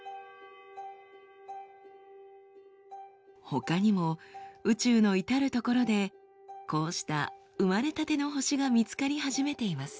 ほかにも宇宙の至る所でこうした生まれたての星が見つかり始めています。